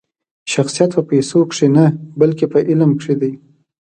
شخصیت په پیسو کښي نه؛ بلکي په علم کښي دئ.